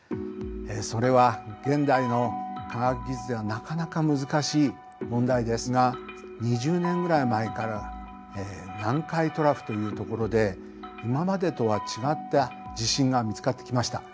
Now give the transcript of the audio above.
それは現代の科学技術ではなかなか難しい問題ですが２０年ぐらい前から南海トラフという所で今までとは違った地震が見つかってきました。